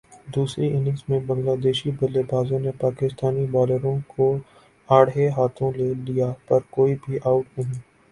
دوسری اننگز میں بنگلہ دیشی بلے بازوں نے پاکستانی بالروں کو اڑھے ہاتھوں لے لیا پر کوئی بھی اوٹ نہیں